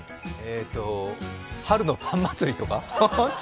春のパン祭りとか？